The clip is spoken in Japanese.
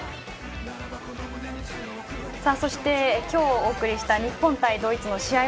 そして今日お送りした日本、ドイツの試合